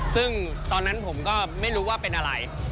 ซึ่งตอนนั้นผมก็ไม่รู้ว่าเป็นอะไร